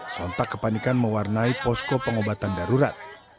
sontak kepanikan mewarnai posko pengobatan darurat